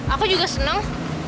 aku juga seneng